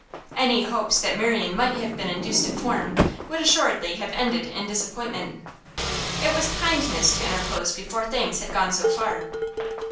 Any hopes that Marian might have been induced to form would assuredly have ended in disappointment. It was kindness to interpose before things had gone so far.